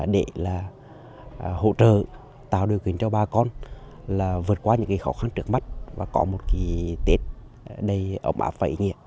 để là hỗ trợ tạo điều kiện cho bà con là vượt qua những cái khó khăn trước mắt và có một cái tết đầy ấm áp vẫy nhiệt